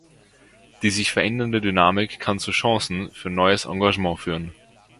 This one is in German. Die sich verändernde Dynamik kann zu Chancen für neues Engagement führen.